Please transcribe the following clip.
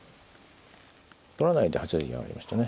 取らないで８八銀はありましたね。